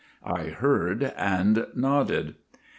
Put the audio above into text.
I heard and nodded.